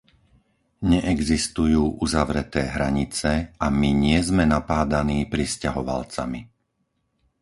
Neexistujú uzavreté hranice a my nie sme napádaní prisťahovalcami!